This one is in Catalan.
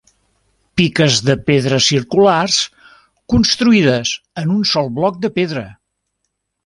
Piques de pedra circulars, construïdes en un sol bloc de pedra.